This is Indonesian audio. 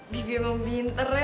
bibik emang binter ya